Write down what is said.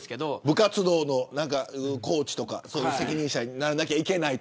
部活動のコーチとか責任者にならないといけない。